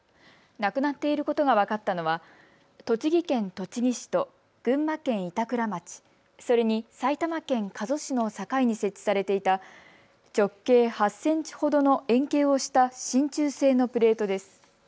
なくなっていることが分かったのは栃木県栃木市と群馬県板倉町、それに埼玉県加須市の境に設置されていた直径８センチほどの円形をしたしんちゅう製のプレートです。